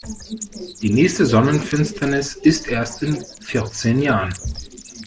Die nächste Sonnenfinsternis ist erst in vierzehn Jahren.